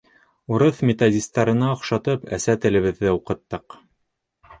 Урыҫ методистарына оҡшатып, әсә телебеҙҙе уҡыттыҡ.